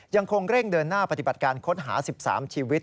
ยังคงเร่งเดินหน้าปฏิบัติการค้นหา๑๓ชีวิต